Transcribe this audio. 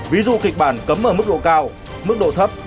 ví dụ kịch bản cấm ở mức độ cao mức độ thấp